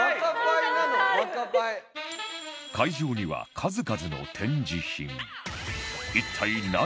会場には数々の展示品